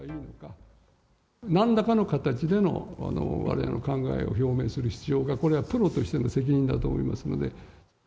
なんらかの形でのわれわれの考えを表明する必要が、これはプロとしての責任だと思いますので。